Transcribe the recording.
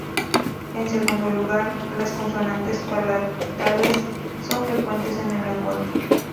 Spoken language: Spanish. En segundo lugar, las consonantes palatales son frecuentes en el lenguaje.